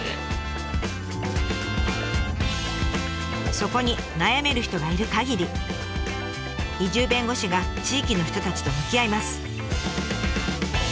そこに悩める人がいるかぎり移住弁護士が地域の人たちと向き合います。